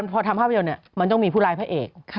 พอทำภาพยนตร์มันต้องมีผู้ร้ายพระเอก